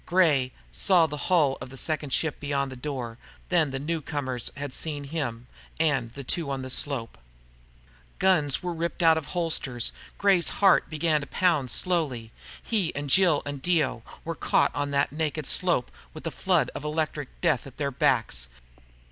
Gray saw the hull of a second ship beyond the door. Then the newcomers had seen him, and the two on the slope. Guns ripped out of holsters. Gray's heart began to pound slowly. He, and Jill and Dio, were caught on that naked slope, with the flood of electric death at their backs.